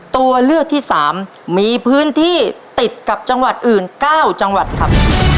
ตัวเลือกที่๓มีพื้นที่ติดกับจังหวัดอื่น๙จังหวัดครับ